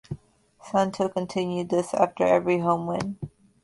Santo continued this after every home win.